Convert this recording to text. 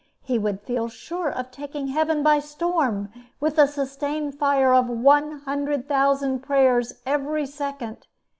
He would feel sure of taking heaven by storm, with a sustained fire of one hundred thousand prayers every second.